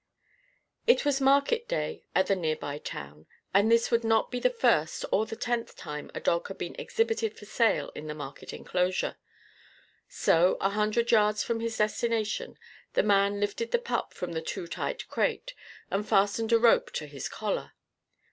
It was market day at the near by town. And this would not be the first or the tenth time a dog had been exhibited for sale in the market enclosure. So, a hundred yards from his destination, the man lifted the pup from the too tight crate and fastened a rope to his collar.